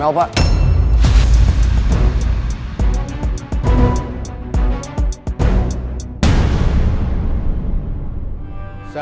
mel udah berusaha bully saya